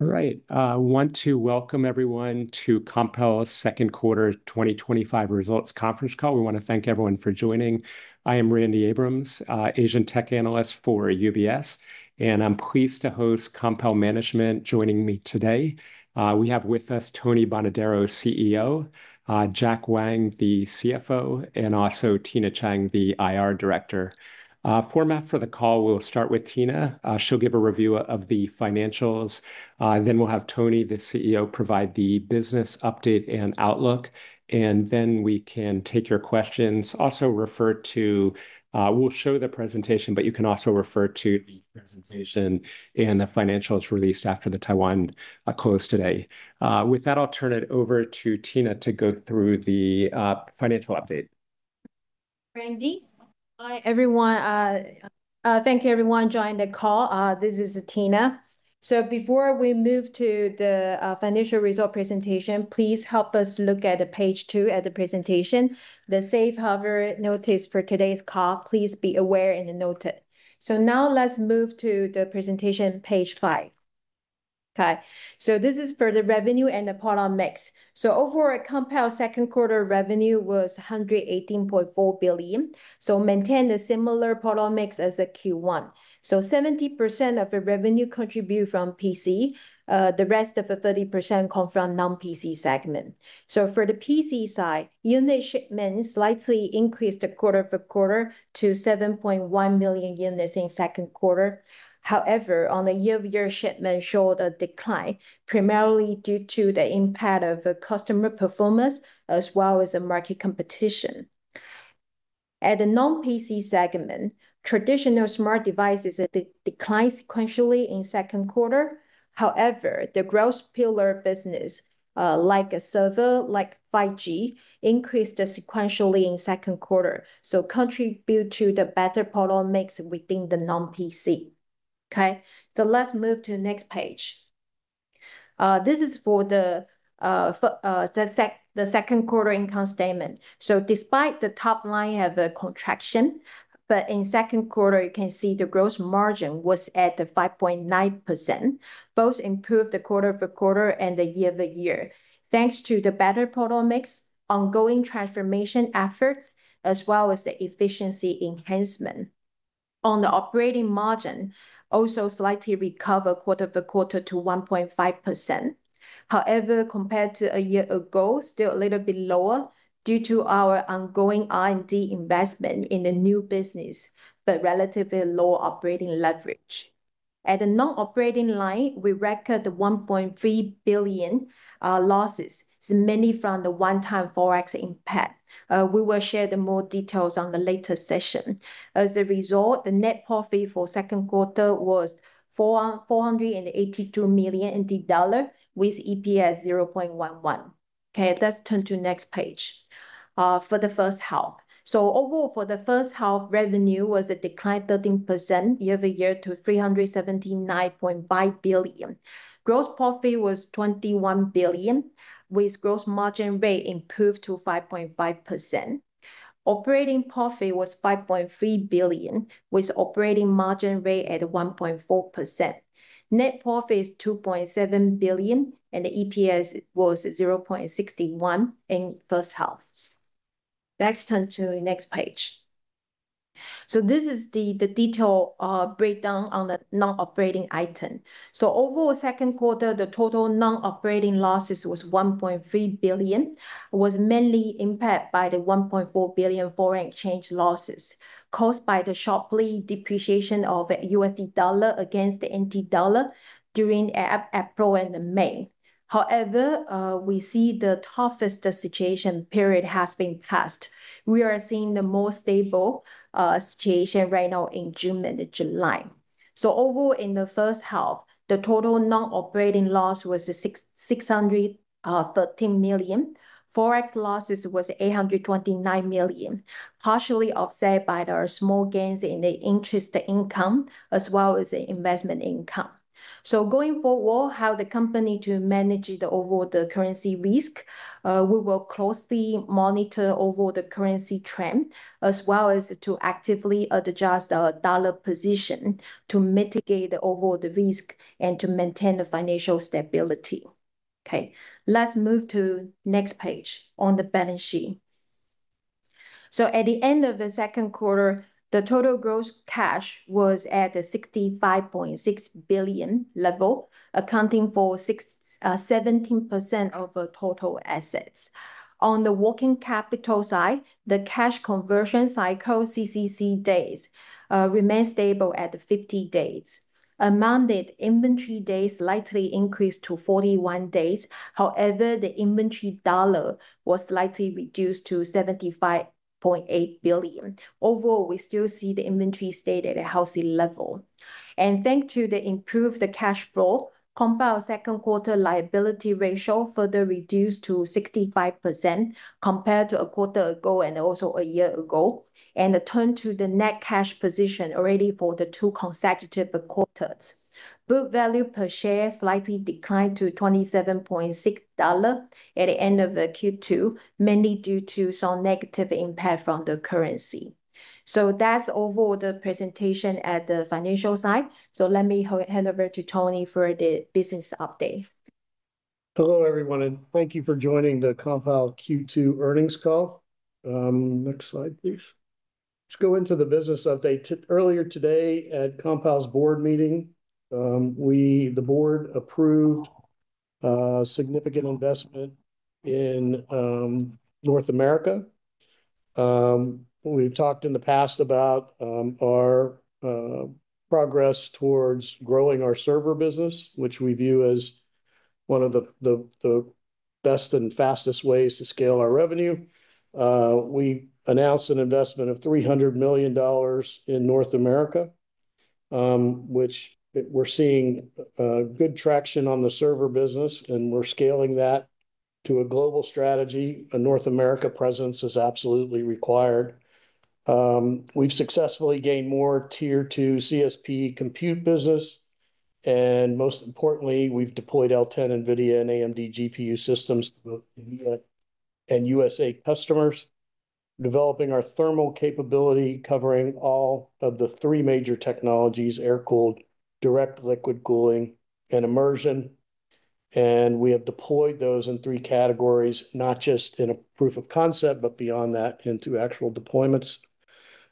All right, want to welcome everyone to Compal's Second Quarter 2025 Results Conference Call. We wanna thank everyone for joining. I am Randy Abrams, Asian TechAanalyst for UBS, and I'm pleased to host Compal management joining me today. We have with us Tony Bonadero, CEO; Jack Wang, the CFO; and also Tina Chang, the IR director. The format for the call, we'll start with Tina. She'll give a review of the financials. Then we'll have Tony, the CEO, provide the business update and outlook, and then we can take your questions. We'll show the presentation, but you can also refer to the presentation and the financials released after the Taiwan close today. With that, I'll turn it over to Tina to go through the financial update. Randy. Hi, everyone. Thank you, everyone, for joining the call. This is Tina. Before we move to the financial result presentation, please help us look at page two of the presentation, the safe harbor notice for today's call. Please be aware and note it. Now let's move to the presentation, page five. Okay, this is for the revenue and the product mix. Overall, at Compal, second quarter revenue was 118.4 billion, maintain a similar product mix as the Q1. 70% of the revenue contribute from PC, the rest of the 30% come from non-PC segment. For the PC side, unit shipments slightly increased quarter-over-quarter to 7.1 million units in second quarter. However, on a year-over-year basis, shipment showed a decline, primarily due to the impact of a customer performance as well as the market competition. At the non-PC segment, traditional smart devices declined sequentially in second quarter. However, the growth pillar business, like a server, like 5G, increased sequentially in second quarter, so contributed to the better product mix within the non-PC. Okay, so let's move to next page. This is for the second quarter income statement. Despite the top line have a contraction, but in second quarter, you can see the gross margin was at the 5.9%, both improved quarter-over-quarter and year-over-year, thanks to the better product mix, ongoing transformation efforts, as well as the efficiency enhancement. On the operating margin, also slightly recover quarter-over-quarter to 1.5%. However, compared to a year ago, still a little bit lower due to our ongoing R&D investment in the new business, but relatively low operating leverage. At the non-operating line, we record 1.3 billion losses, mainly from the one-time forex impact. We will share more details on the later session. As a result, the net profit for second quarter was 482 million dollar, with EPS 0.11. Okay, let's turn to next page. For the first half. Overall, for the first half, revenue was a decline 13% year-over-year to 379.5 billion. Gross profit was 21 billion, with gross margin rate improved to 5.5%. Operating profit was 5.3 billion, with operating margin rate at 1.4%. Net profit is 2.7 billion, and the EPS was 0.61 in first half. Let's turn to next page. This is the detailed breakdown on the non-operating item. Overall second quarter, the total non-operating losses was 1.3 billion, was mainly impacted by the 1.4 billion foreign exchange losses caused by the sharp depreciation of USD against the NT dollar during April and May. However, we see the toughest situation period has been passed. We are seeing the more stable situation right now in June and July. Overall, in the first half, the total non-operating loss was 613 million. Forex losses was 829 million, partially offset by the small gains in the interest income as well as the investment income. Going forward, how the company to manage the overall currency risk, we will closely monitor the currency trend as well as to actively adjust our dollar position to mitigate the overall risk and to maintain the financial stability. Okay, let's move to next page on the balance sheet. At the end of the second quarter, the total gross cash was at a 65.6 billion level, accounting for 17% of the total assets. On the working capital side, the cash conversion cycle, CCC days, remain stable at 50 days. And the inventory days slightly increased to 41 days. However, the inventory dollars was slightly reduced to 75.8 billion. Overall, we still see the inventory stay at a healthy level. Thanks to the improved cash flow, Compal second quarter liability ratio further reduced to 65% compared to a quarter ago and also a year ago, and turned to the net cash position already for the two consecutive quarters. Book value per share slightly declined to TWD 27.6 at the end of the Q2, mainly due to some negative impact from the currency. That's overall the presentation at the financial side. Let me hand over to Tony for the business update. Hello, everyone, and thank you for joining the Compal Q2 earnings call. Next slide, please. Let's go into the business update. Earlier today at Compal's board meeting, the board approved significant investment in North America. We've talked in the past about our progress towards growing our server business, which we view as one of the best and fastest ways to scale our revenue. We announced an investment of $300 million in North America, which we're seeing good traction on the server business, and we're scaling that to a global strategy. A North America presence is absolutely required. We've successfully gained more Tier 2 CSP compute business, and most importantly, we've deployed L10 NVIDIA and AMD GPU systems to both India and U.S. customers, developing our thermal capability, covering all of the three major technologies, air-cooled, direct liquid cooling, and immersion. We have deployed those in three categories, not just in a proof of concept, but beyond that into actual deployments.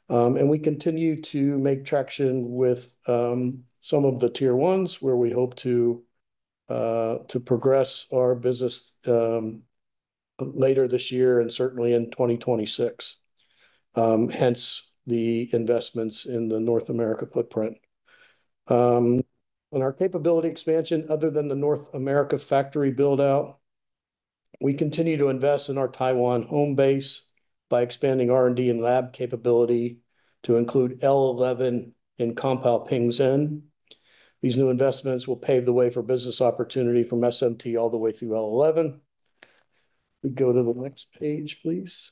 We continue to make traction with some of the Tier 1s, where we hope to progress our business later this year and certainly in 2026, hence the investments in the North America footprint. On our capability expansion, other than the North America factory build-out, we continue to invest in our Taiwan home base by expanding R&D and lab capability to include L11 in Compal Pingzhen. These new investments will pave the way for business opportunity from SMT all the way through L11. We go to the next page, please.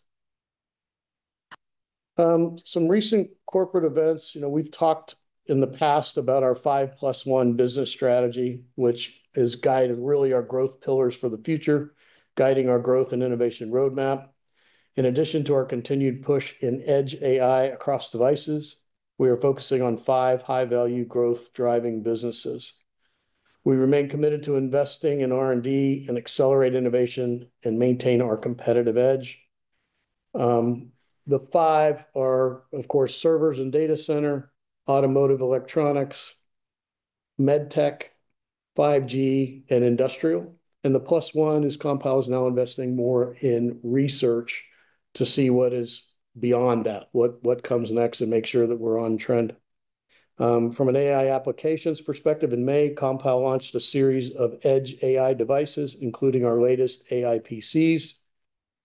Some recent corporate events. You know, we've talked in the past about our five plus one business strategy, which has guided really our growth pillars for the future, guiding our growth and innovation roadmap. In addition to our continued push in Edge AI across devices, we are focusing on five high-value growth-driving businesses. We remain committed to investing in R&D and accelerate innovation and maintain our competitive edge. The five are, of course, servers and data center, automotive electronics, Med Tech, 5G, and industrial. The plus one is Compal is now investing more in research to see what is beyond that, what comes next, and make sure that we're on trend. From an AI applications perspective, in May, Compal launched a series of Edge AI devices, including our latest AI PCs,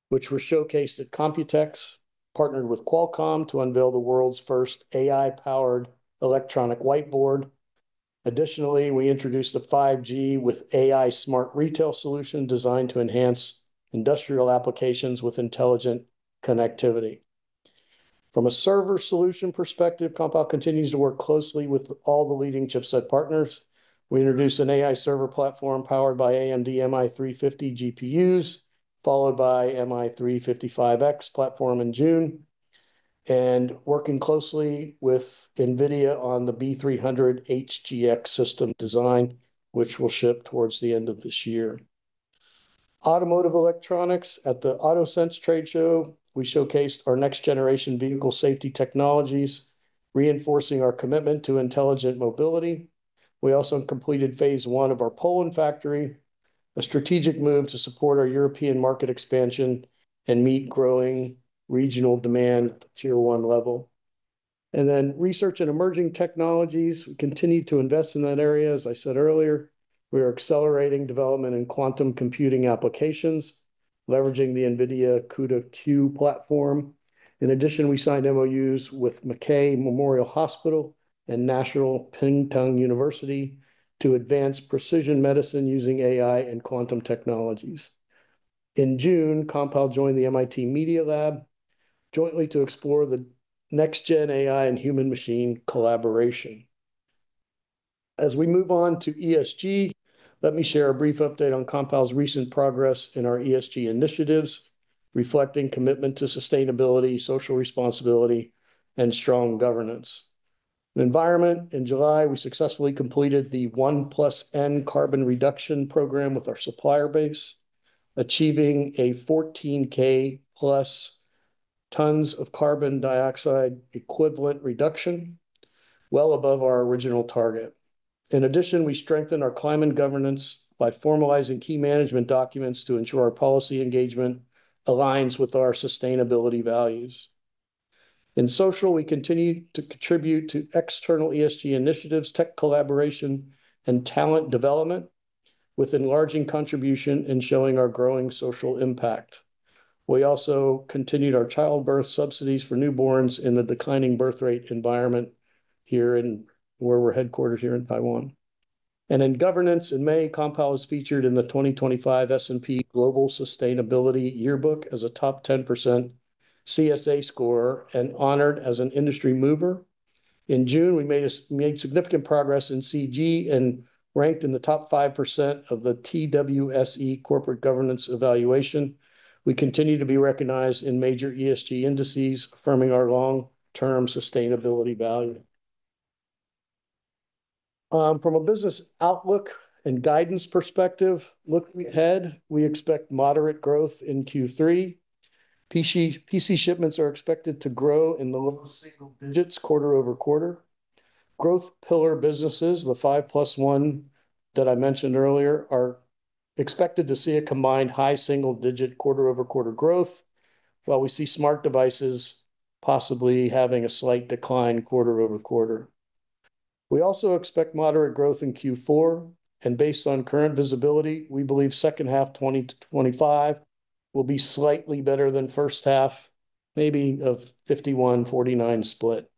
which were showcased at Computex, partnered with Qualcomm to unveil the world's first AI-powered electronic whiteboard. Additionally, we introduced the 5G with AI smart retail solution designed to enhance industrial applications with intelligent connectivity. From a server solution perspective, Compal continues to work closely with all the leading chipset partners. We introduced an AI server platform powered by AMD MI350 GPUs, followed by MI355X platform in June, and working closely with NVIDIA on the B300 HGX system design, which will ship towards the end of this year. Automotive electronics. At the AutoSens trade show, we showcased our next-generation vehicle safety technologies, reinforcing our commitment to intelligent mobility. We also completed phase one of our Poland factory, a strategic move to support our European market expansion and meet growing regional demand at the Tier 1 level. Research and emerging technologies. We continue to invest in that area. As I said earlier, we are accelerating development in quantum computing applications, leveraging the NVIDIA CUDA-Q platform. In addition, we signed MOUs with MacKay Memorial Hospital and National Pingtung University to advance precision medicine using AI and quantum technologies. In June, Compal joined the MIT Media Lab jointly to explore the next-gen AI and human machine collaboration. As we move on to ESG, let me share a brief update on Compal's recent progress in our ESG initiatives, reflecting commitment to sustainability, social responsibility, and strong governance. In environment, in July, we successfully completed the OnePlus N carbon reduction program with our supplier base, achieving a 14,000+ tons of carbon dioxide equivalent reduction, well above our original target. In addition, we strengthened our climate governance by formalizing key management documents to ensure our policy engagement aligns with our sustainability values. In social, we continue to contribute to external ESG initiatives, tech collaboration, and talent development with enlarging contribution and showing our growing social impact. We also continued our childbirth subsidies for newborns in the declining birth rate environment here, where we're headquartered here in Taiwan. In governance, in May, Compal was featured in the 2025 S&P Global Sustainability Yearbook as a top 10% CSA scorer and honored as an industry mover. In June, we made significant progress in CG and ranked in the top 5% of the TWSE corporate governance evaluation. We continue to be recognized in major ESG indices, affirming our long-term sustainability value. From a business outlook and guidance perspective, looking ahead, we expect moderate growth in Q3. PC shipments are expected to grow in the low single digits quarter-over-quarter. Growth pillar businesses, the five plus one that I mentioned earlier, are expected to see a combined high single digit quarter-over-quarter growth, while we see smart devices possibly having a slight decline quarter-over-quarter. We also expect moderate growth in Q4, and based on current visibility, we believe second half 2024 to 2025 will be slightly better than first half, maybe a 51-49 split.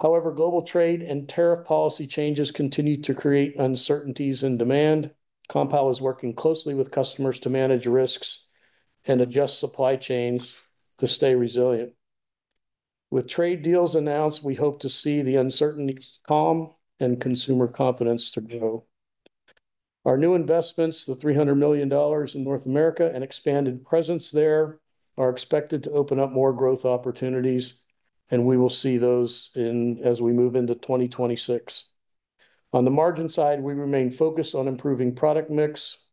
However, global trade and tariff policy changes continue to create uncertainties in demand. Compal is working closely with customers to manage risks and adjust supply chains to stay resilient. With trade deals announced, we hope to see the uncertainty calm and consumer confidence to grow. Our new investments, the $300 million in North America and expanded presence there, are expected to open up more growth opportunities, and we will see those as we move into 2026. On the margin side, we remain focused on improving product mix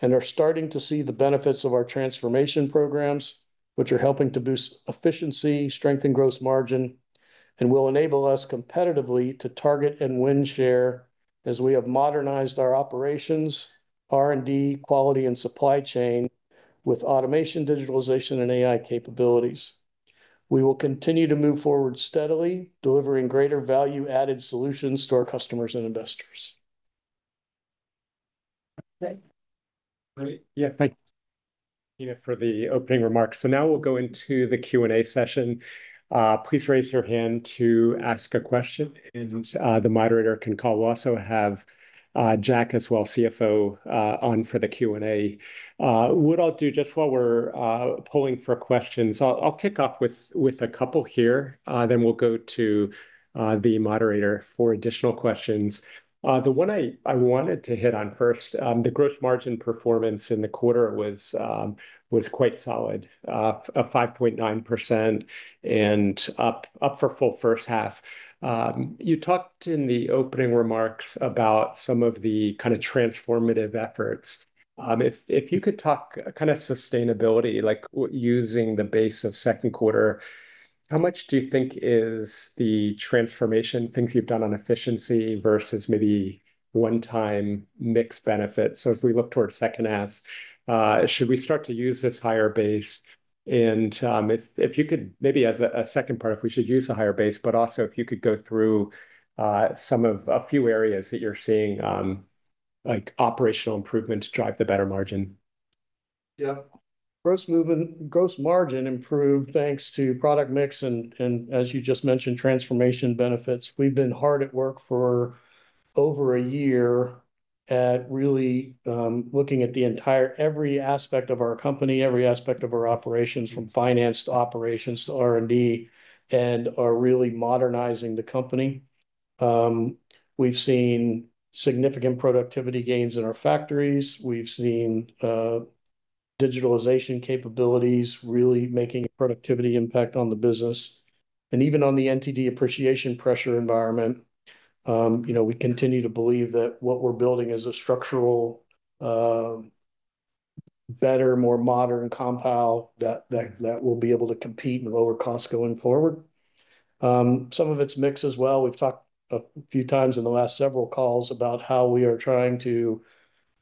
and are starting to see the benefits of our transformation programs, which are helping to boost efficiency, strengthen gross margin, and will enable us competitively to target and win share as we have modernized our operations, R&D, quality, and supply chain with automation, digitalization, and AI capabilities. We will continue to move forward steadily, delivering greater value-added solutions to our customers and investors. Okay. All right. Thank you for the opening remarks. Now we'll go into the Q&A session. Please raise your hand to ask a question and the moderator can call. We'll also have Jack as well, CFO, on for the Q&A. What I'll do just while we're polling for questions, I'll kick off with a couple here, then we'll go to the moderator for additional questions. The one I wanted to hit on first, the gross margin performance in the quarter was quite solid, 5.9% and up for full first half. You talked in the opening remarks about some of the kind of transformative efforts. If you could talk kind of sustainability, like using the base of second quarter, how much do you think is the transformation, things you've done on efficiency versus maybe one-time mix benefits? As we look towards second half, should we start to use this higher base? If you could maybe as a second part, if we should use a higher base, but also if you could go through some of a few areas that you're seeing, like operational improvement to drive the better margin. Gross margin improved thanks to product mix and as you just mentioned, transformation benefits. We've been hard at work for over a year at really looking at every aspect of our company, every aspect of our operations from finance to operations to R&D and are really modernizing the company. We've seen significant productivity gains in our factories. We've seen digitalization capabilities really making a productivity impact on the business. Even on the NTD appreciation pressure environment, you know, we continue to believe that what we're building is a structural better, more modern Compal that will be able to compete in lower costs going forward. Some of it's mix as well. We've talked a few times in the last several calls about how we are trying to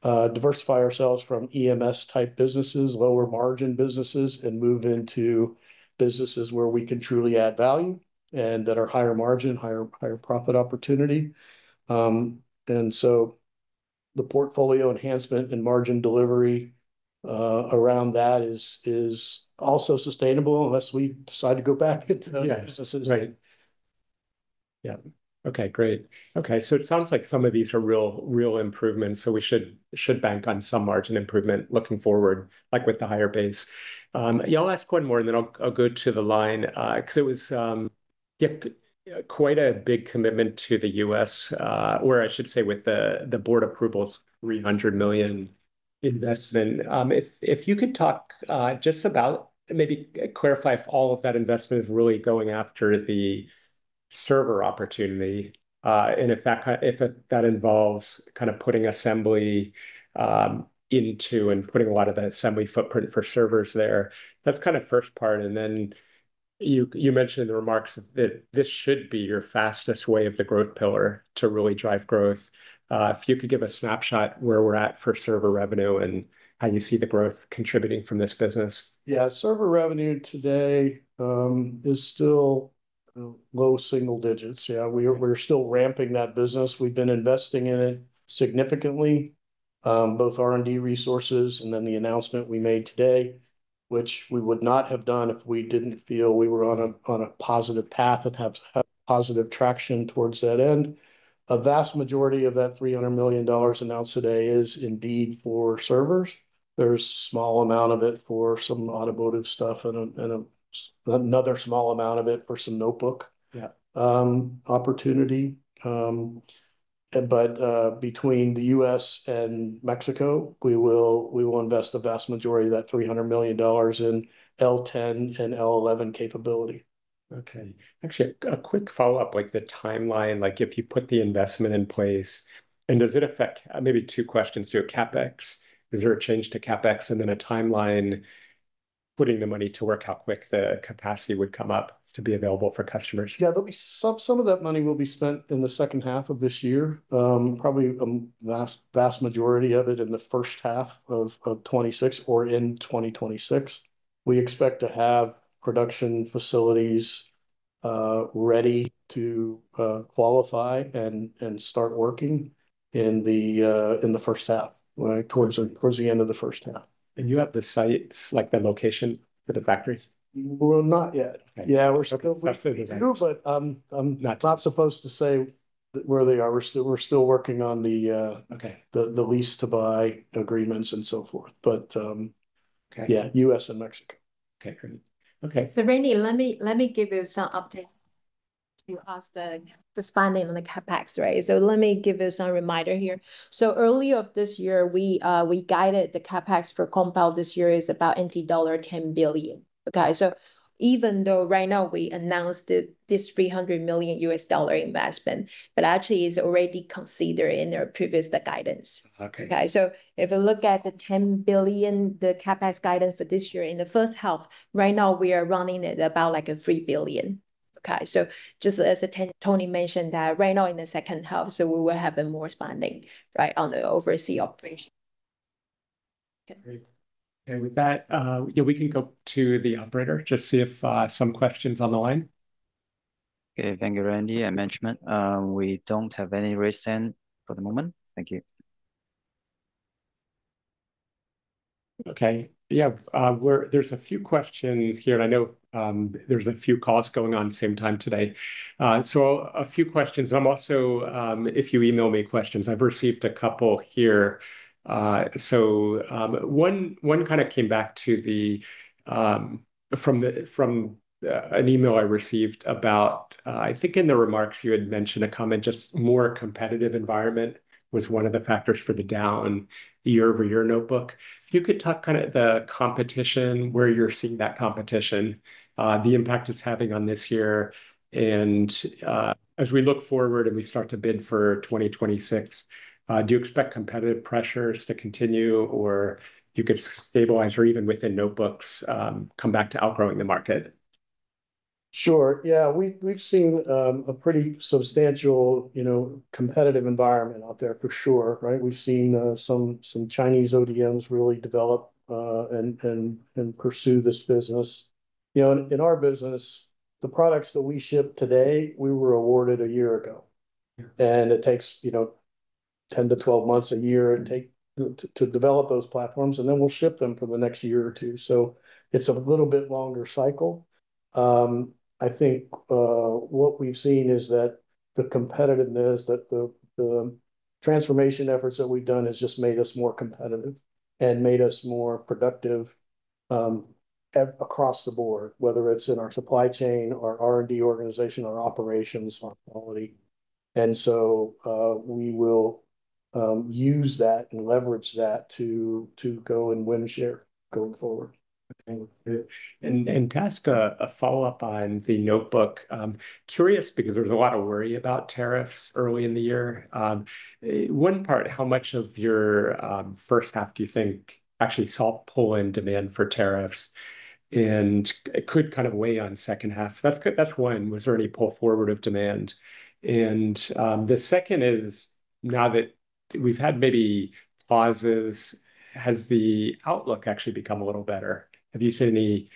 diversify ourselves from EMS-type businesses, lower margin businesses, and move into businesses where we can truly add value and that are higher margin, higher profit opportunity. The portfolio enhancement and margin delivery around that is also sustainable unless we decide to go back into those businesses. It sounds like some of these are real improvements, so we should bank on some margin improvement looking forward, like with the higher base. I'll ask one more, and then I'll go to the line, 'cause it was quite a big commitment to the U.S., or I should say with the board approval's $300 million investment. If you could talk just about and maybe clarify if all of that investment is really going after the server opportunity, and if that involves kind of putting assembly into and putting a lot of the assembly footprint for servers there. That's kind of first part, and then you mentioned in the remarks that this should be your fastest way of the growth pillar to really drive growth. If you could give a snapshot where we're at for server revenue and how you see the growth contributing from this business. Server revenue today is still low single digits. We're still ramping that business. We've been investing in it significantly, both R&D resources and then the announcement we made today, which we would not have done if we didn't feel we were on a positive path and have positive traction towards that end. A vast majority of that $300 million announced today is indeed for servers. There's a small amount of it for some automotive stuff and another small amount of it for some notebook opportunity. Between the U.S. and Mexico, we will invest the vast majority of that $300 million in L10 and L11 capability. Okay. Actually, a quick follow-up, like the timeline, like if you put the investment in place. Maybe two questions to your CapEx. Is there a change to CapEx? A timeline, putting the money to work, how quick the capacity would come up to be available for customers? There'll be some of that money will be spent in the second half of this year, probably vast majority of it in the first half of 2026 or in 2026. We expect to have production facilities ready to qualify and start working in the first half, right towards the end of the first half. You have the sites, like the location for the factories? Well, not yet. Okay. We're still. That's what I was asking. We do, but not supposed to say where they are. We're still working on the lease-to-buy agreements and so forth, U.S. and Mexico. Okay, great. Okay. Randy, let me give you some updates on the spending on the CapEx, right? Let me give you some reminder here. Early this year, we guided the CapEx for Compal this year is about NT dollar 10 billion. Okay, even though right now we announced this $300 million investment, but actually it is already considered in our previous guidance. Okay, if you look at the 10 billion, the CapEx guidance for this year, in the first half, right now we are running at about like a 3 billion. Okay, just as Tony mentioned that right now in the second half, we will have more spending, right, on the overseas operation. Great. Okay, with that, we can go to the operator to see if some questions on the line. Okay, thank you, Randy and management. We don't have any raised hand for the moment. Thank you. Okay. There are a few questions here, and I know, there are a few calls going on at the same time today. So a few questions. I'm also, if you email me questions, I've received a couple here. So, one kind came back to the from an email I received about, I think in the remarks you had mentioned a comment, just more competitive environment was one of the factors for the down year-over-year notebook. If you could talk kind of the competition, where you're seeing that competition, the impact it's having on this year and, as we look forward and we start to bid for 2026, do you expect competitive pressures to continue, or you could stabilize or even within notebooks, come back to outgrowing the market? Sure. We've seen a pretty substantial, you know, competitive environment out there for sure, right? We've seen some Chinese ODMs really develop and pursue this business. You know, in our business, the products that we ship today, we were awarded a year ago. It takes, you know, 10-12 months, a year to develop those platforms, and then we'll ship them for the next year or two. It's a little bit longer cycle. I think what we've seen is that the competitiveness that the transformation efforts that we've done has just made us more competitive and made us more productive across the board, whether it's in our supply chain or R&D organization or operations on quality. We will use that and leverage that to go and win share going forward. To ask a follow-up on the notebook, I'm curious because there was a lot of worry about tariffs early in the year. One part, how much of your first half do you think actually saw pull in demand for tariffs? It could kind of weigh on second half. That's one, was there any pull forward of demand? The second is, now that we've had maybe pauses, has the outlook actually become a little better? Have you seen any,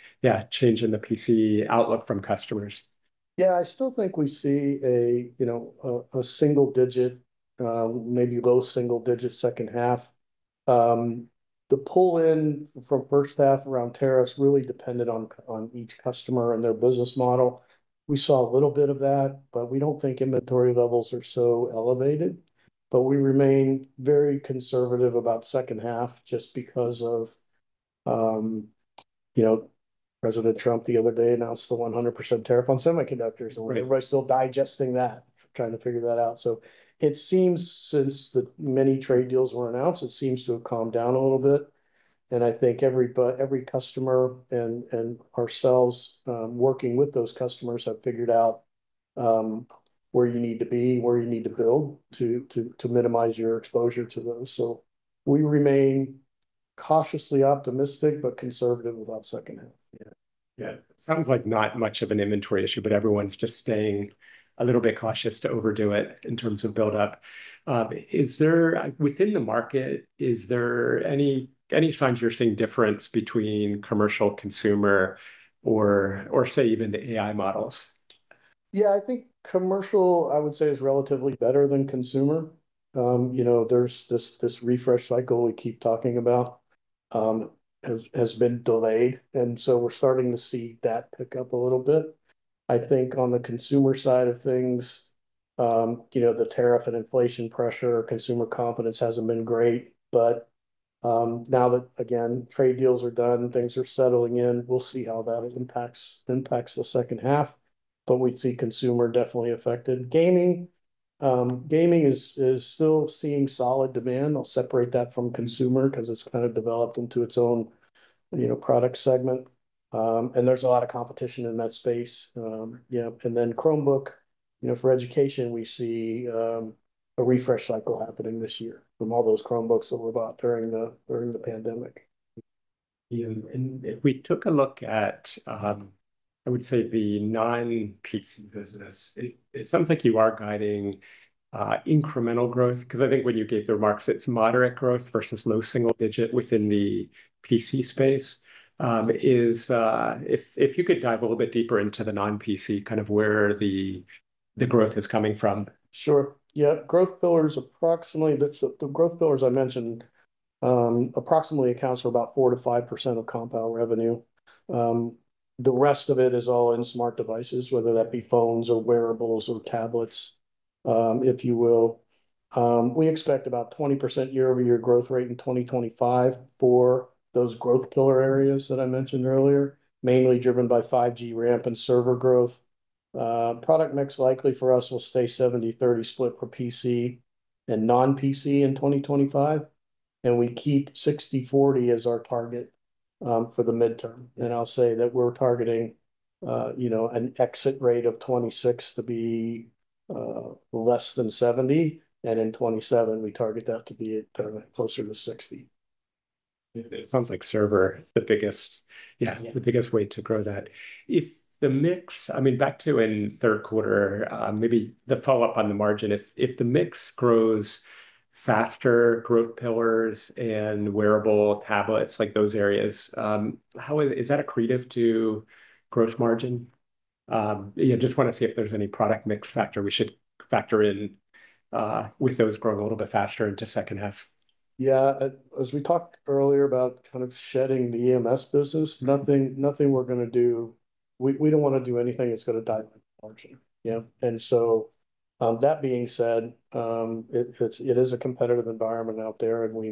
change in the PC outlook from customers? I still think we see a, you know, single-digit, maybe low single-digit second half. The pull-in from first half around tariffs really depended on each customer and their business model. We saw a little bit of that, but we don't think inventory levels are so elevated. We remain very conservative about second half just because President Trump the other day announced the 100% tariff on semiconductors. Everybody's still digesting that, trying to figure that out. It seems, since the many trade deals were announced, it seems to have calmed down a little bit. I think every customer and ourselves, working with those customers, have figured out where you need to be, where you need to build to minimize your exposure to those. We remain cautiously optimistic, but conservative about second half. Sounds like not much of an inventory issue, but everyone's just staying a little bit cautious to overdo it in terms of buildup. Is there within the market any signs you're seeing difference between commercial consumer or say even the AI models? I think commercial, I would say, is relatively better than consumer. You know, there's this refresh cycle we keep talking about has been delayed, and so we're starting to see that pick up a little bit. I think on the consumer side of things, you know, the tariff and inflation pressure, consumer confidence hasn't been great. Now that, again, trade deals are done, things are settling in, we'll see how that impacts the second half. We see consumer definitely affected. Gaming is still seeing solid demand. I'll separate that from consumer 'cause it's kind of developed into its own, you know, product segment. There's a lot of competition in that space. Chromebook, you know, for education, we see a refresh cycle happening this year from all those Chromebooks that were bought during the pandemic. If we took a look at, I would say the non-PC business, it sounds like you are guiding incremental growth. Because I think when you gave the remarks, it's moderate growth versus low single digit within the PC space. If you could dive a little bit deeper into the non-PC, kind of where the growth is coming from. Sure. The growth pillars I mentioned approximately account for about 4%-5% of Compal revenue. The rest of it is all in smart devices, whether that be phones or wearables or tablets, if you will. We expect about 20% year-over-year growth rate in 2025 for those growth pillar areas that I mentioned earlier, mainly driven by 5G ramp and server growth. Product mix likely for us will stay 70 to 30 split for PC and non-PC in 2025, and we keep 60-40 as our target for the midterm. I'll say that we're targeting, you know, an exit rate of 2026 to be less than 70, and in 2027 we target that to be at closer to 60. It sounds like server the biggest way to grow that. If the mix I mean, back to in third quarter, maybe the follow-up on the margin. If the mix grows faster, growth pillars and wearable tablets, like, those areas, how would. Is that accretive to gross margin? Just wanna see if there's any product mix factor we should factor in, with those growing a little bit faster into second half. As we talked earlier about kind of shedding the EMS business, we don't wanna do anything that's gonna dive into margin, you know. That being said, it is a competitive environment out there, and we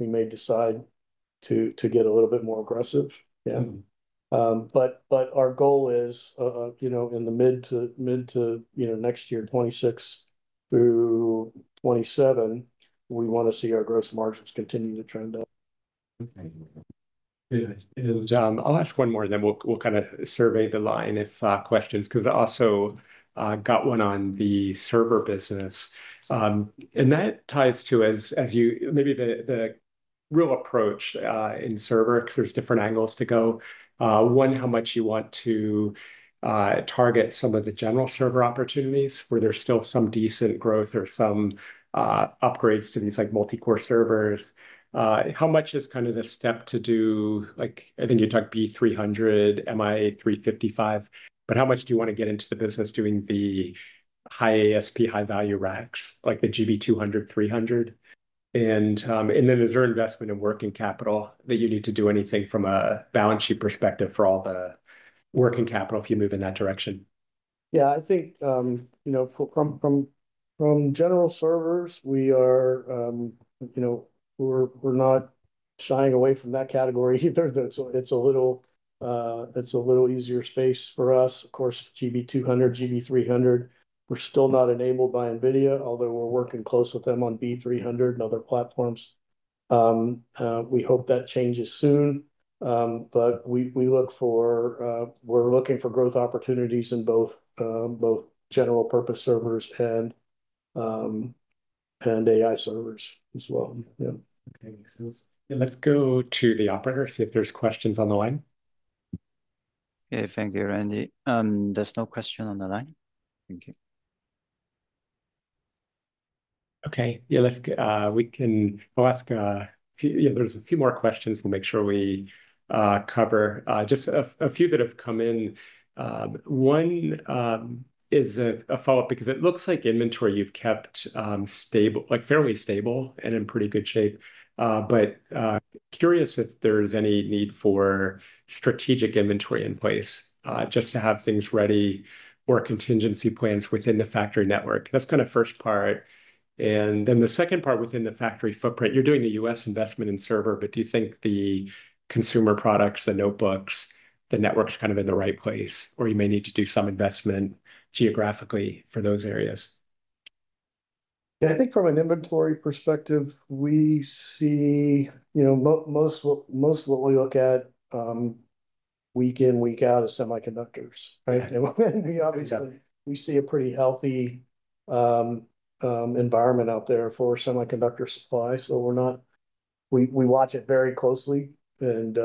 may decide to get a little bit more aggressive. Our goal is, you know, in the mid to next year, 2026 through 2027, we wanna see our gross margins continue to trend up. Okay. I'll ask one more, and then we'll kind of survey the line if questions. Because I also got one on the server business. That ties to, as you maybe, the real approach in server, because there's different angles to go. One, how much you want to target some of the general server opportunities where there's still some decent growth or some upgrades to these, like, multi-core servers. How much is kind of the step to do, like, I think you talked B300, MI355X. But how much do you wanna get into the business doing the high ASP, high value racks, like the GB200, GB300? Is there investment in working capital that you need to do anything from a balance sheet perspective for all the working capital if you move in that direction? I think, you know, from general servers, we're not shying away from that category either. It's a little easier space for us. Of course, GB200, GB300, we're still not enabled by NVIDIA, although we're working closely with them on B300 and other platforms. We hope that changes soon. We're looking for growth opportunities in both general purpose servers and AI servers as well. Makes sense. Let's go to the operator, see if there's questions on the line. Thank you, Randy. There's no question on the line. Thank you. Okay. I'll ask a few, you know, there's a few more questions we'll make sure we cover. Just a few that have come in. One is a follow-up because it looks like inventory you've kept stable, like, fairly stable and in pretty good shape. But curious if there's any need for strategic inventory in place just to have things ready or contingency plans within the factory network. That's kind of first part. Then the second part within the factory footprint, you're doing the U.S. investment in servers, but do you think the consumer products, the notebooks, the networks kind of in the right place, or you may need to do some investment geographically for those areas? I think from an inventory perspective, we see, you know, most of what we look at week in, week out is semiconductors, right? We obviously see a pretty healthy environment out there for semiconductor supply. We watch it very closely, and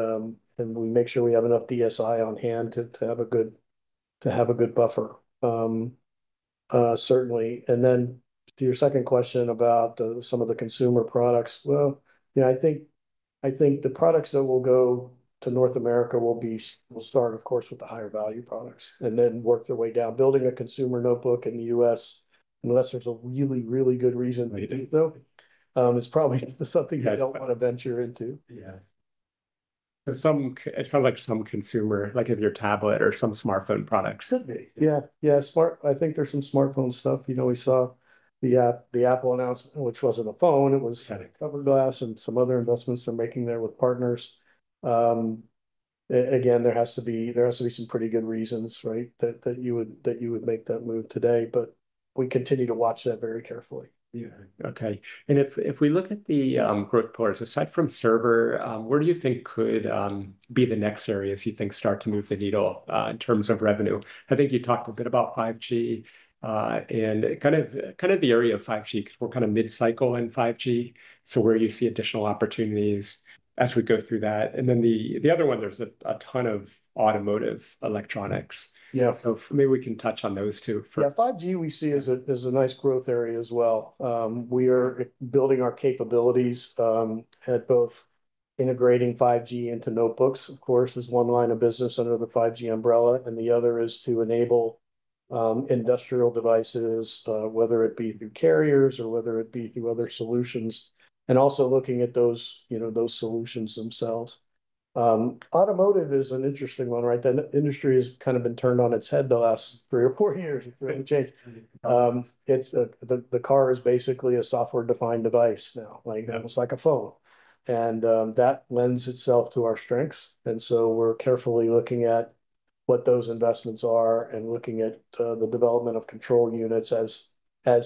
we make sure we have enough DSI on hand to have a good buffer, certainly. To your second question about some of the consumer products. Well, you know, I think the products that will go to North America will start, of course, with the higher value products and then work their way down. Building a consumer notebook in the U.S., unless there's a really good reason to do so is probably something you don't wanna venture into. It sounds like some consumer, like if your tablet or some smartphone products could be. I think there's some smartphone stuff. You know, we saw the Apple announcement, which wasn't a phone, it was kind of cover glass and some other investments they're making there with partners. Again, there has to be some pretty good reasons, right? That you would make that move today. We continue to watch that very carefully. Okay. If we look at the growth pillars, aside from server, where do you think could be the next areas you think start to move the needle in terms of revenue? I think you talked a bit about 5G, and kind of the area of 5G, because we're kind of mid-cycle in 5G, so where you see additional opportunities as we go through that. Then the other one, there's a ton of automotive electronics. Maybe we can touch on those two. 5G we see as a nice growth area as well. We are building our capabilities at both integrating 5G into notebooks, of course, is one line of business under the 5G umbrella, and the other is to enable industrial devices, whether it be through carriers or whether it be through other solutions. Also looking at those, you know, those solutions themselves. Automotive is an interesting one, right? The industry has kind of been turned on its head the last three or four years with the change. It's the car is basically a software-defined device now, like almost like a phone. That lends itself to our strengths, and so we're carefully looking at what those investments are and looking at the development of control units as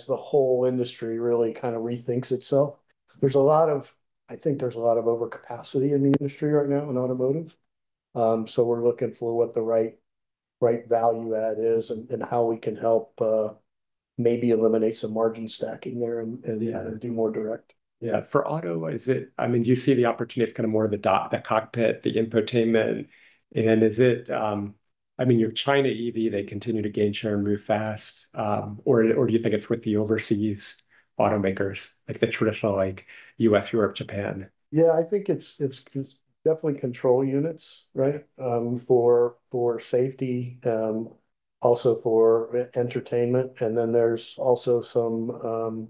the whole industry really kind of rethinks itself. I think there's a lot of overcapacity in the industry right now in automotive. We're looking for what the right value add is and how we can help maybe eliminate some margin stacking there and do more direct. For auto, is it, I mean, do you see the opportunity as kind of more the cockpit, the infotainment? And is it, I mean, you have China EV, they continue to gain share and move fast, or do you think it's with the overseas automakers, like the traditional, like U.S., Europe, Japan? I think it's just definitely control units, right? For safety, also for entertainment. Then there's also some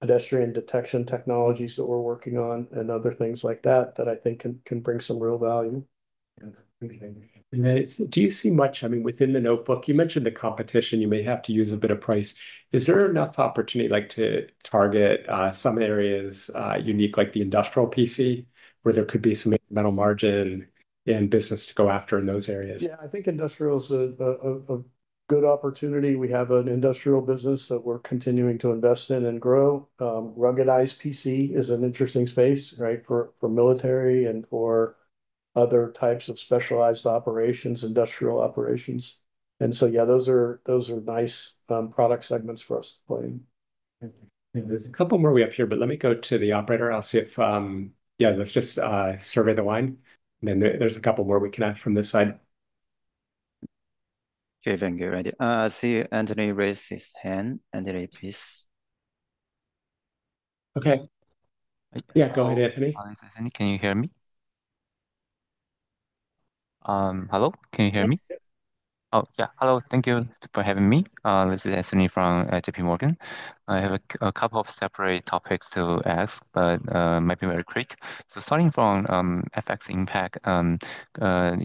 pedestrian detection technologies that we're working on and other things like that I think can bring some real value. Okay. Do you see much, I mean, within the notebook, you mentioned the competition, you may have to use a bit of price? Is there enough opportunity, like, to target some areas unique, like the industrial PC, where there could be some better margin and business to go after in those areas? I think industrial is a good opportunity. We have an industrial business that we're continuing to invest in and grow. Ruggedized PC is an interesting space, right? For military and for other types of specialized operations, industrial operations. Those are nice product segments for us to play in. There's a couple more we have here, but let me go to the operator. I'll see if. Let's just survey the line, and then there's a couple more we can have from this side. Okay, thank you. I see Anthony raised his hand. Anthony, please. Okay. Go ahead, Anthony. Can you hear me? Hello? Can you hear me? Yes. Hello. Thank you for having me. This is Anthony from JPMorgan. I have a couple of separate topics to ask, but might be very quick. Starting from FX impact,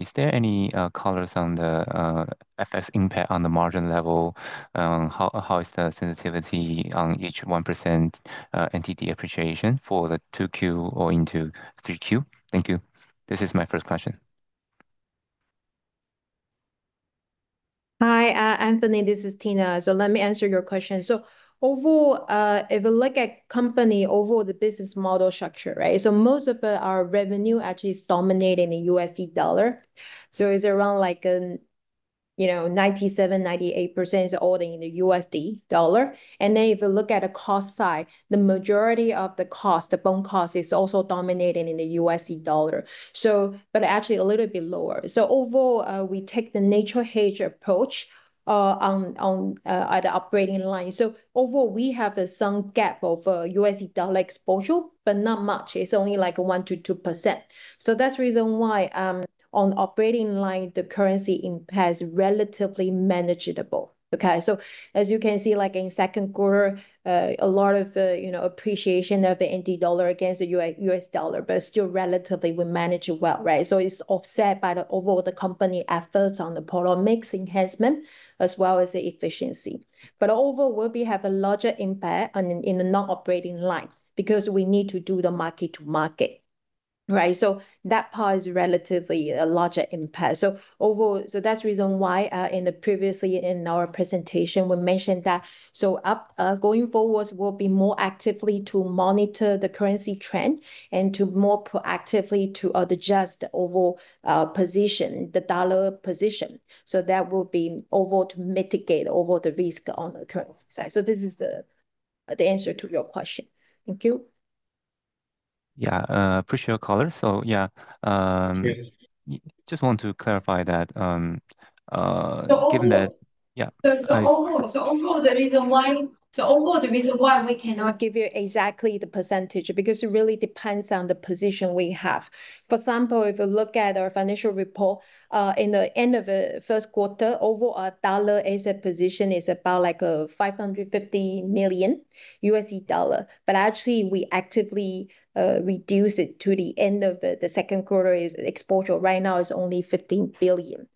is there any colors on the FX impact on the margin level? How is the sensitivity on each 1% NTD appreciation for the 2Q or into 3Q? Thank you. This is my first question. Hi, Anthony, this is Tina. Let me answer your question. Overall, if you look at company, overall the business model structure, right? Most of our revenue actually is denominated in USD. It's around like, you know, 97% to 98% is all in USD. Then if you look at the cost side, the majority of the cost, the BOM cost, is also denominated in USD. But actually a little bit lower. Overall, we take the natural hedge approach on the operating line. Overall, we have some gap of USD exposure, but not much. It's only like 1% to 2%. That's reason why on operating line, the currency impact is relatively manageable. Okay. As you can see, like in second quarter, a lot of, you know, appreciation of the NT dollar against the US dollar, but still relatively we manage it well, right? It's offset by the overall company efforts on the product mix enhancement as well as the efficiency. Overall, we have a larger impact on the non-operating line because we need to do the mark-to-market, right? That part is relatively a larger impact. Overall, that's the reason why, in the previous presentation, we mentioned that. Going forward, we'll be more actively to monitor the currency trend and more proactively to adjust the overall dollar position. That will overall mitigate the risk on the currency side. This is the answer to your question. Thank you. Appreciate your color. Just want to clarify that, given that. Overall, the reason why we cannot give you exactly the percentage, because it really depends on the position we have. For example, if you look at our financial report, in the end of the first quarter, overall our dollar asset position is about like $550 million. But actually we actively reduce it to the end of the second quarter is exposure. Right now it's only $150 million.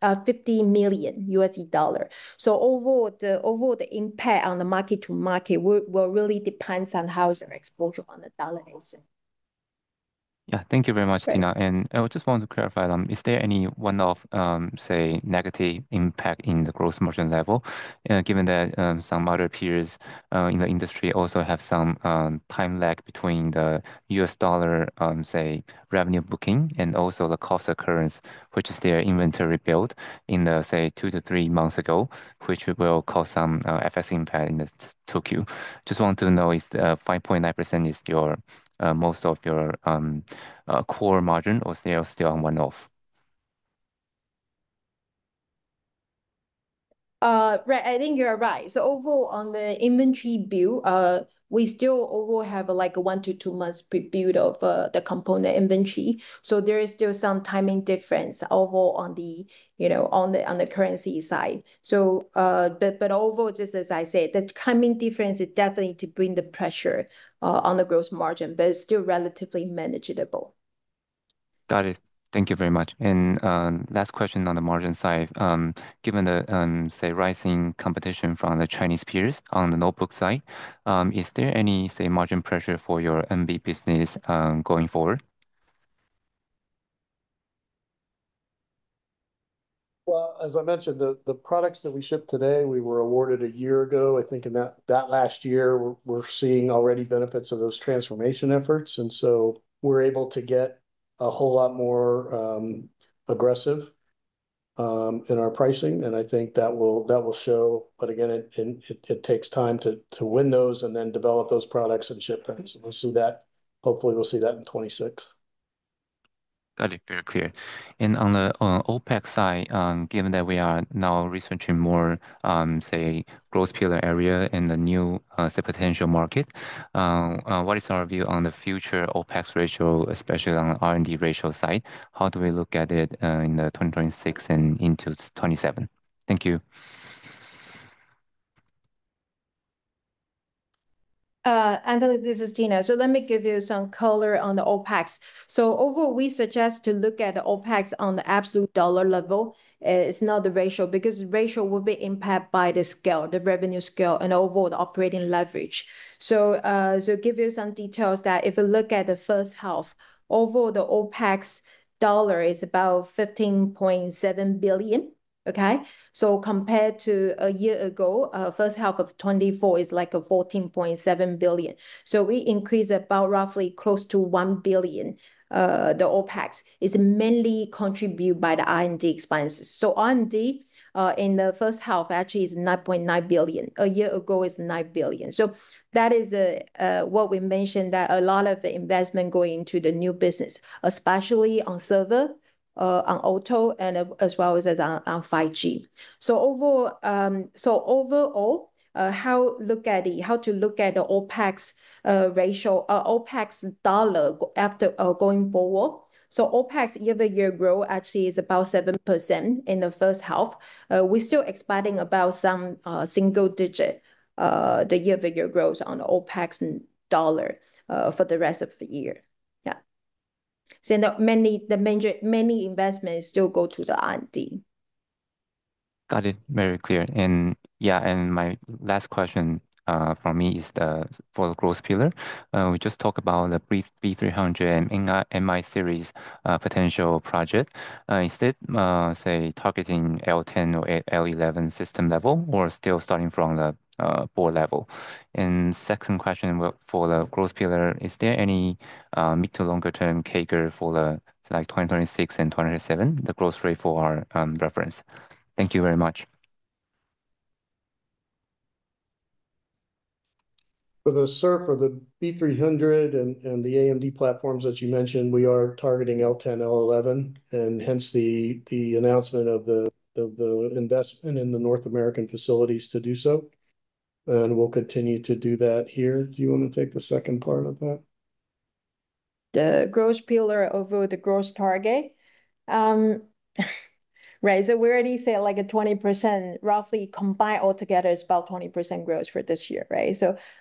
Overall, the impact on the mark-to-market will really depends on how is our exposure on the dollar asset. Thank you very much, Tina. I just want to clarify, is there any one-off, say, negative impact in the gross margin level, given that some other peers in the industry also have some time lag between the U.S. dollar, say, revenue booking and also the cost occurrence, which is their inventory build in the, say, two to three months ago, which will cause some FX impact in the 2Q? Just want to know if the 5.9% is your most of your core margin or still on one-off. Right, I think you're right. Overall on the inventory build, we still overall have, like, a one to two months pre-build of the component inventory. There is still some timing difference overall on the, you know, on the currency side. Overall, just as I say, the timing difference is definitely to bring the pressure on the growth margin, but it's still relatively manageable. Got it. Thank you very much. Last question on the margin side. Given the, say, rising competition from the Chinese peers on the notebook side, is there any, say, margin pressure for your NB business, going forward? Well, as I mentioned, the products that we ship today we were awarded a year ago. I think in that last year we're seeing already benefits of those transformation efforts, and so we're able to get a whole lot more aggressive in our pricing, and I think that will show. Again, it takes time to win those and then develop those products and ship them. We'll see that, hopefully we'll see that in 2026. Got it. Very clear. On the OpEx side, given that we are now researching more growth pillar area in the new potential market, what is our view on the future OpEx ratio, especially on R&D ratio side? How do we look at it in 2026 and into 2027? Thank you. Anthony, this is Tina. Let me give you some color on the OpEx. Overall, we suggest to look at OpEx on the absolute TWD level. It's not the ratio, because ratio will be impacted by the scale, the revenue scale and overall the operating leverage. Give you some details that if you look at the first half, overall the OpEx is about 15.7 billion. Compared to a year ago, first half of 2024 is like 14.7 billion. We increase about roughly close to 1 billion. The OpEx is mainly contributed by the R&D expenses. R&D in the first half actually is 9.9 billion. A year ago it's 9 billion. That is what we mentioned, that a lot of the investment going into the new business, especially on server, on auto and as well as on 5G. Overall, how to look at the OpEx ratio, OpEx dollar going forward. OpEx year-over-year growth actually is about 7% in the first half. We're still expanding about some single-digit year-over-year growth on OpEx dollar for the rest of the year. The major many investments still go to the R&D. Got it. Very clear. My last question from me is for the growth pillar. We just talked about the B300 and MI series potential project instead say targeting L10 or L11 system level or still starting from the board level. Second question for the growth pillar, is there any mid to longer term CAGR for the like 2026 and 2027 the growth rate for our reference? Thank you very much. For the server, the B300 and the AMD platforms that you mentioned, we are targeting L10, L11, and hence the investment in the North American facilities to do so. We'll continue to do that here. Do you want to take the second part of that? The growth pillar over the growth target? Right. We already say like a 20%, roughly combined altogether is about 20% growth for this year, right?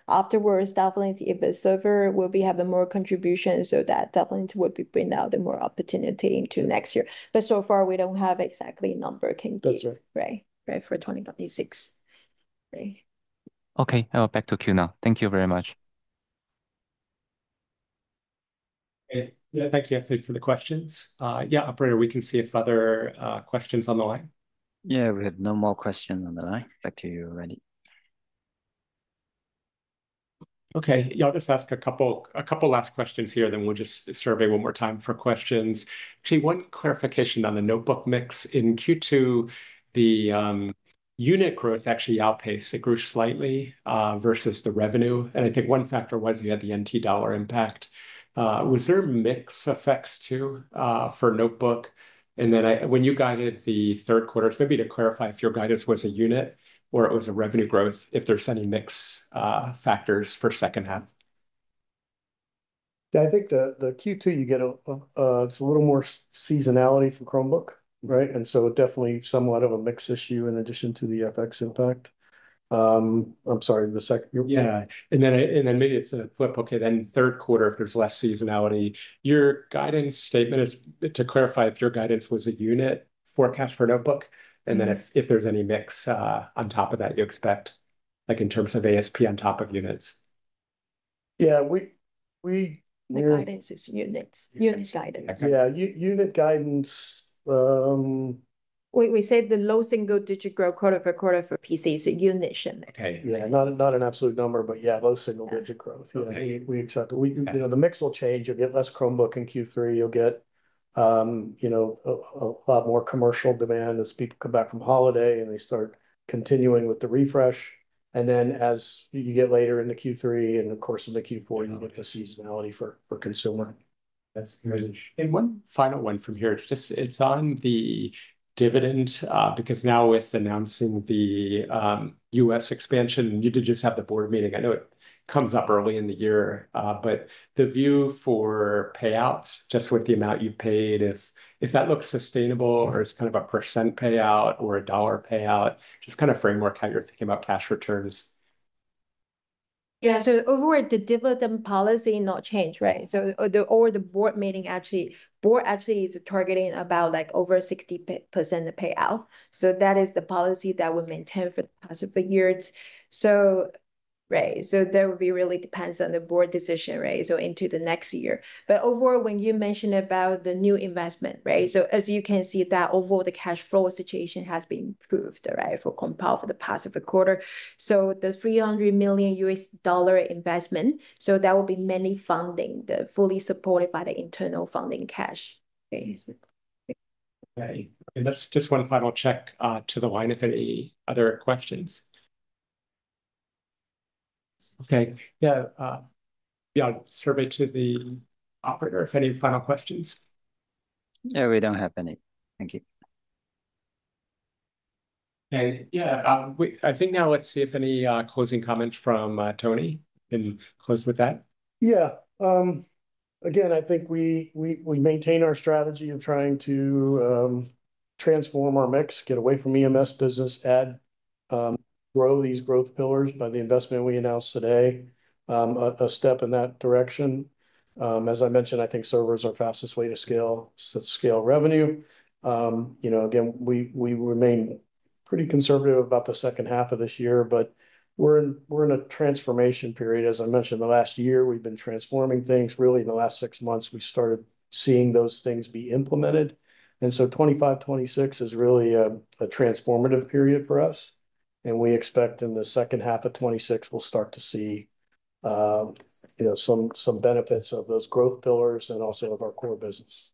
Afterwards, definitely if the server will be having more contribution, that definitely would be bringing out the more opportunity into next year. So far, we don't have exact number can give for 2026. Right. Okay. Back to queue now. Thank you very much. Thank you, Anthony, for the questions. Operator, we can see if other questions on the line. We have no more questions on the line. Back to you, Randy. Okay, I'll just ask a couple last questions here, then we'll just survey one more time for questions. Actually, one clarification on the notebook mix. In Q2, the unit growth actually outpaced. It grew slightly versus the revenue. I think one factor was you had the NT dollar impact. Was there mix effects too for notebook? Then when you guided the third quarter, just maybe to clarify if your guidance was a unit or it was a revenue growth, if there's any mix factors for second half. I think the Q2 you get a little more seasonality for Chromebook, right? Definitely somewhat of a mix issue in addition to the FX impact. I'm sorry, the second- Maybe it's a flip. Okay, third quarter, if there's less seasonality, your guidance statement is, to clarify, if your guidance was a unit forecast for notebook, and then if there's any mix on top of that you expect. Like in terms of ASP on top of units. The guidance is units guidance. Unit guidance. We said the low single-digit growth quarter-over-quarter for PC is a unit shipment. Not an absolute number, but low single-digit growth. We accept it. You know, the mix will change. You'll get less Chromebook in Q3. You'll get a lot more commercial demand as people come back from holiday, and they start continuing with the refresh. As you get later into Q3 and of course into Q4, you'll get the seasonality for consumer. That's amazing. One final one from here, it's on the dividend, because now with announcing the U.S. expansion, you did just have the board meeting. I know it comes up early in the year, but the view for payouts, just with the amount you've paid, if that looks sustainable or is kind of a percent payout or a dollar payout, just kind of framework how you're thinking about cash returns. Overall the dividend policy not change, right? The board actually is targeting about, like, over 60% payout. That is the policy that we maintain for the past few years. Right, that would be really depends on the board decision, right? Into the next year. Overall, when you mention about the new investment, right? As you can see that overall the cash flow situation has been improved, right? For Compal for the past few quarter. The $300 million investment, that will be mainly funding the, fully supported by the internal funding cash. Okay. Okay. That's just one final check to the line if any other questions? Okay. Survey to the operator if any final questions? No, we don't have any. Thank you. I think now let's see if any closing comments from Tony and close with that. Again, I think we maintain our strategy of trying to transform our mix, get away from EMS business, add grow these growth pillars by the investment we announced today, a step in that direction. As I mentioned, I think server is our fastest way to scale revenue. You know, again, we remain pretty conservative about the second half of this year, but we're in a transformation period. As I mentioned, the last year we've been transforming things. Really in the last six months, we started seeing those things be implemented. 2025, 2026 is really a transformative period for us, and we expect in the second half of 2026, we'll start to see you know some benefits of those growth pillars and also of our core business.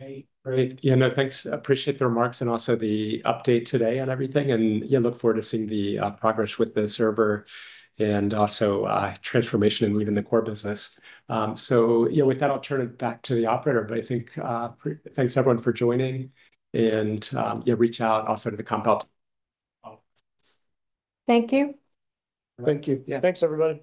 Okay. Great. No, thanks. Appreciate the remarks and also the update today on everything. Look forward to seeing the progress with the server and also transformation and leading the core business. You know, with that, I'll turn it back to the operator. I think, thanks everyone for joining and reach out also to the Compal offices. Thank you. Thank you. Thanks everybody.